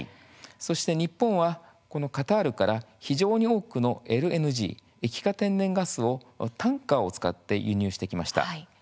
そして日本はこのカタールから非常に多くのＬＮＧ・液化天然ガスをタンカーを使って輸入してきました。